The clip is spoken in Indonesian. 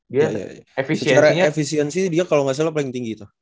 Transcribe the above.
dia efisiensi dia kalau gak salah paling tinggi itu